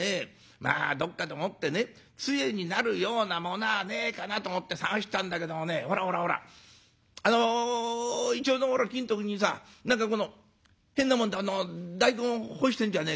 まあどっかでもってねつえになるようなものはねえかなと思って探したんだけどもねほらほらほらあのいちょうの木のとこにさ何かこの変なもんで大根干してんじゃねえかよ。